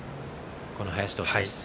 この林投手です。